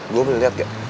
gue boleh liat gak